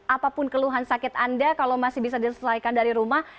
apapun keluhan sakit anda kalau masih bisa diselesaikan dari rumah